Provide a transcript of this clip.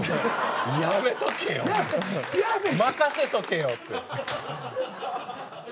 やめとけよ任せとけよって。